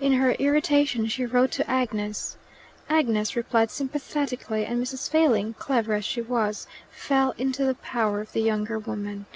In her irritation she wrote to Agnes. Agnes replied sympathetically, and Mrs. Failing, clever as she was, fell into the power of the younger woman.